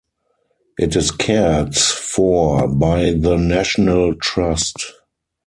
It is cared for by the National Trust.